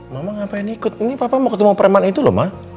mama ngapain ikut ini papa mau ketemu preman itu loh ma